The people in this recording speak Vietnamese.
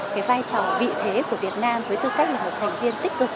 cái vai trò vị thế của việt nam với tư cách là một thành viên tích cực